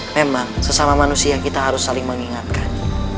memang sesama manusia kita harus saling mengingatkan